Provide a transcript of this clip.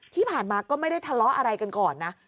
ที่ผ่านมาก็ไม่ได้ทะเลาะอะไรกันก่อนนะ